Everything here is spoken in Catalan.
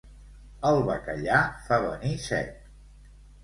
El bacallà fa venir set.